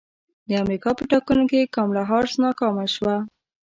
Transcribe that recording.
د امریکا په ټاکنو کې کاملا حارس ناکامه شوه